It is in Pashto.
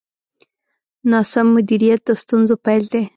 ناسم مدیریت د ستونزو پیل دی.